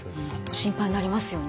心配になりますよね。